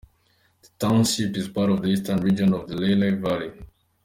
The township is part of the eastern region of the Lehigh Valley.